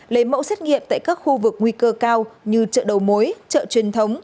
lấy mẫu xét nghiệm tại các khu vực nguy cơ cao như chợ đầu mối chợ truyền thống